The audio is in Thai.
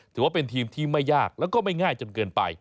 ถือว่าเป็นทีมที่ไม่ยากแล้วก็ไม่ง่ายจนเกินไป